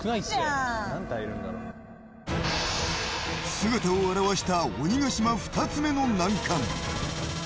姿を現した鬼ヶ島２つ目の難関。